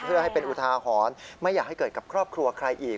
เพื่อให้เป็นอุทาหรณ์ไม่อยากให้เกิดกับครอบครัวใครอีก